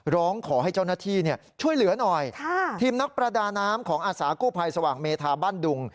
ร้องขอให้เจ้าหน้าที่ช่วยเหลือหน่อยทีมนักประดาน้ำของอาสากู้ภัยสว่างเมธาบ้านดุง